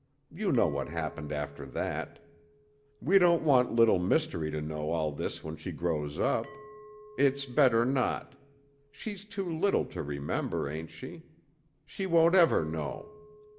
You know what happened after that. We don't want Little Mystery to know all this when she grows up. It's better not. She's too little to remember, ain't she? She won't ever know."